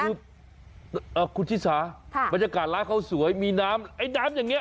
คือคุณชิสาบรรยากาศร้านข้าวสวยมีน้ำไอ้น้ำอย่างนี้